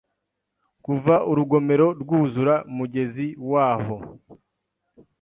kuva urugomero rwuzura mugezi wa ho